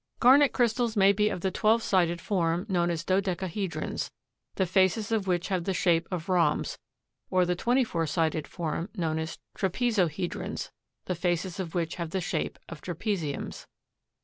Garnet crystals may be of the twelve sided form, known as dodecahedrons, the faces of which have the shape of rhombs, or the twenty four sided form known as trapezohedrons, the faces of which have the shape of trapeziums.